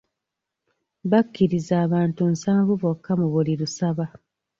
Bakkiriza abantu nsavu bokka mu buli lusaba.